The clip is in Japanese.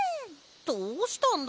どうしたんだ？